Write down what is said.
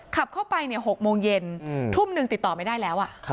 ขับเข้าไป๖โมงเย็นทุ่มหนึ่งติดต่อไม่ได้แล้ว